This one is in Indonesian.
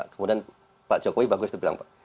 kemudian pak jokowi bagus itu bilang pak